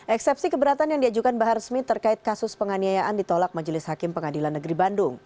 eksepsi keberatan yang diajukan bahar smith terkait kasus penganiayaan ditolak majelis hakim pengadilan negeri bandung